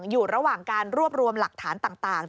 อยู่ระหว่างการรวบรวมหลักฐานต่าง